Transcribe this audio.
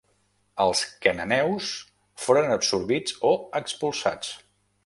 Els cananeus foren absorbits o expulsats.